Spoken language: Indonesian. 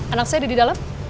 anak saya ada di dalam